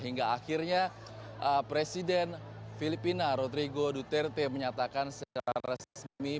hingga akhirnya presiden filipina rotrigo duterte menyatakan secara resmi